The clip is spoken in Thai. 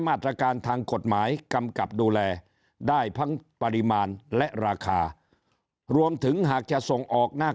มาตรการทางกฎหมายกำกับดูแลได้ทั้งปริมาณและราคารวมถึงหากจะส่งออกนอก